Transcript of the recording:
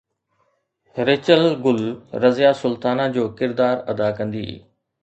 Rachel Gul Razia Sultana جو ڪردار ادا ڪندي